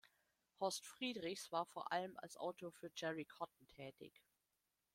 Horst Friedrichs war vor allem als Autor für Jerry Cotton tätig.